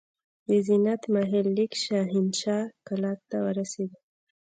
د زینت محل لیک شاهنشاه کلا ته ورسېد.